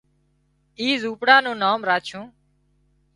اي زونپڙا نُون نام راڇُون